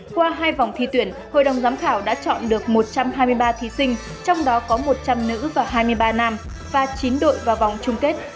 qua hai vòng thi tuyển hội đồng giám khảo đã chọn được một trăm hai mươi ba thí sinh trong đó có một trăm linh nữ và hai mươi ba nam và chín đội vào vòng chung kết